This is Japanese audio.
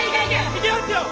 いきますよ！